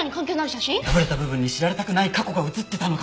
破れた部分に知られたくない過去が写ってたのかも。